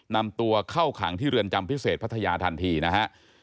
นำตัวเข้าขังที่เรือนจำพิเศษพัทยาทันทีนะฮะ